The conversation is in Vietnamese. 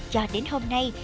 cho đến hôm nay